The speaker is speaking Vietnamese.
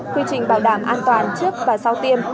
quy trình bảo đảm an toàn trước và sau tiêm